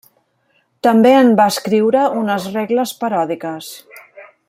També en va escriure unes regles paròdiques.